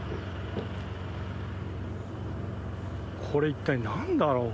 これ一体なんだろう？